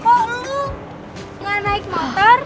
kok lu gak naik motor